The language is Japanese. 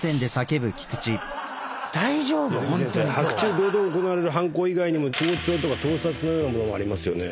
出口先生白昼堂々行われる犯行以外にも盗聴とか盗撮のようなものもありますよね。